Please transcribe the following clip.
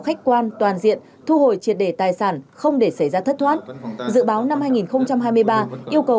khách quan toàn diện thu hồi triệt đề tài sản không để xảy ra thất thoát dự báo năm hai nghìn hai mươi ba yêu cầu